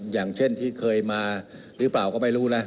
อย่างเช่นที่เคยมาหรือเปล่าก็ไม่รู้นะ